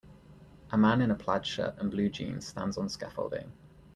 A man in a plaid shirt and blue jeans stands on scaffolding.